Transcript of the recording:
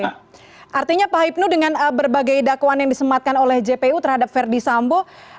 artinya pak hipnu dengan berbagai dakwaan yang disematkan oleh jpu terhadap verdi sambo